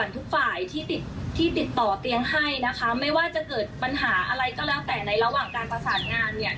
ถ้าเกิดว่าเกิดอะไรผลข้องหมองใจอะไรอย่างนี้ค่ะ